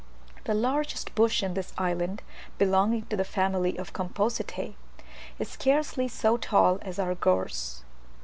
The largest bush in the island (belonging to the family of Compositae) is scarcely so tall as our gorse.